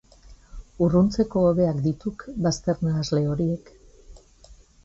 Urruntzeko hobeak dituk bazter-nahasle horiek!